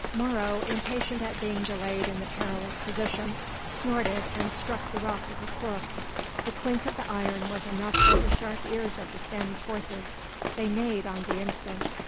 Moro, impatient at being delayed in the perilous position, snorted and struck the rock with his hoof. The clink of the iron was enough for the sharp ears of the Spanish horses. They neighed on the instant.